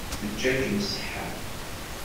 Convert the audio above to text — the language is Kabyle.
Teǧǧa-kem ṣṣeḥḥa.